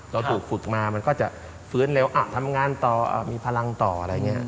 เราถูกฝึกมามันก็จะฟื้นเร็วทำงานต่อมีพลังต่ออะไรอย่างนี้